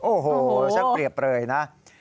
โอ้โหช่างเปรียบเลยนะ